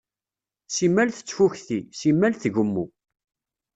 Simmal tettfukti, simmal tgemmu.